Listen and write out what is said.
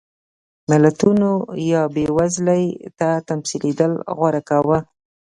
ملتونو یا بېوزلۍ ته تسلیمېدل غوره کاوه.